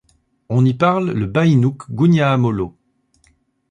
On y parle le baïnouk-gunyaamolo.